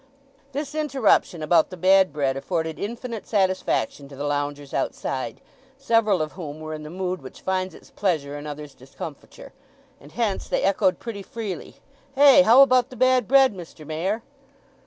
This interruption about the bad bread afforded infinite satisfaction to the loungers outside, several of whom were in the mood which finds its pleasure in others' discomfiture; and hence they echoed pretty freely, "Hey! How about the bad bread, Mr. Mayor?"